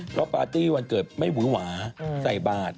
เพราะปาร์ตี้วันเกิดไม่หวุ้นหวาใส่บาท